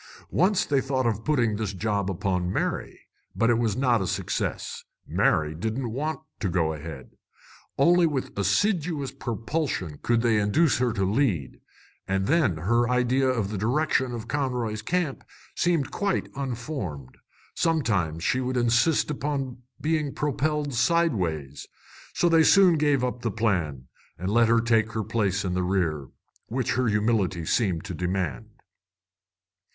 Once they thought of putting this job upon Mary. But it was not a success. Mary didn't want to go ahead. Only with assiduous propulsion could they induce her to lead; and then her idea of the direction of Conroy's Camp seemed quite unformed. Sometimes she would insist upon being propelled sideways. So they soon gave up the plan, and let her take her place in the rear, which her humility seemed to demand.